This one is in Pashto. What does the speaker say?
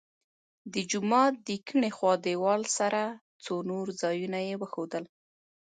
د جومات د کیڼې خوا دیوال سره څو نور ځایونه یې وښودل.